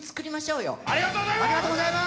ありがとうございます！